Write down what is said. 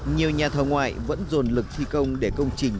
nhiều nhà thầu ngoại vẫn dồn lực thi công để công trình